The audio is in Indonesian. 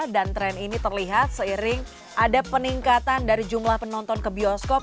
dan tren ini terlihat seiring ada peningkatan dari jumlah penonton ke bioskop